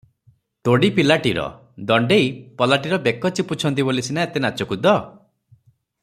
ତୋଡ଼ୀ ପିଲାଟିର, ଦଣ୍ତେଇ ପଲାଟିର ବେକ ଚିପୁଛନ୍ତି ବୋଲି ସିନା ଏତେ ନାଚକୁଦ ।